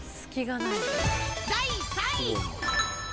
第３位。